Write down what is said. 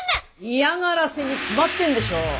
嫌がらせに決まってんでしょ。